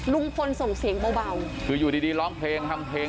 ส่งเสียงเบาคืออยู่ดีดีร้องเพลงทำเพลง